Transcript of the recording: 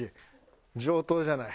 上等じゃない？